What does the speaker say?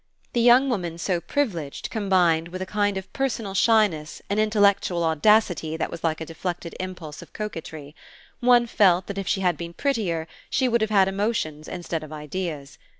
The young woman so privileged combined with a kind of personal shyness an intellectual audacity that was like a deflected impulse of coquetry: one felt that if she had been prettier she would have had emotions instead of ideas.